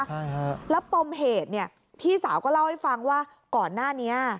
ใช่ฮะแล้วปมเหตุเนี่ยพี่สาวก็เล่าให้ฟังว่าก่อนหน้านี้